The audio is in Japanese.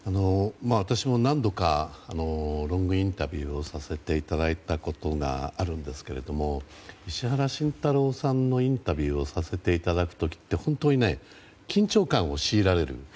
私も何度かロングインタビューをさせていただいたことがあるんですけれども石原慎太郎さんのインタビューをさせてもらう時って本当に緊張感を強いられる。